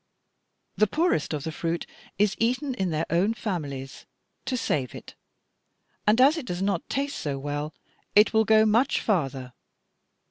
The poorest of the fruit is eaten in their own families, 'to save it,' and, as it does not taste so well, it will go much farther.